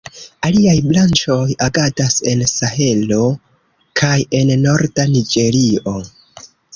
Aliaj branĉoj agadas en Sahelo kaj en norda Niĝerio.